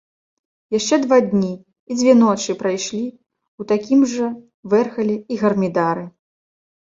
Яшчэ два дні і дзве ночы прайшлі ў такім жа вэрхале і гармідары.